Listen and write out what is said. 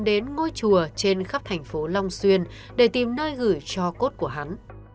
nơi gửi vô chùa trên khắp thành phố long xuyên để tìm nơi gửi cho cốt của hắn